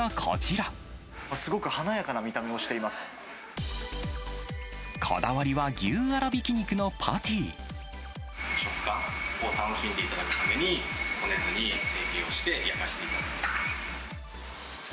すごく華やかな見た目をしてこだわりは、食感を楽しんでいただくために、こねずに成形をして、やかしていただきます。